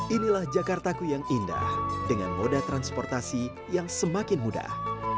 inilah jakartaku yang indah dengan moda transportasi yang semakin mudah